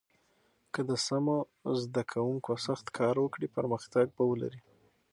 که د سمو زده کوونکو سخت کار وکړي، پرمختګ به ولري.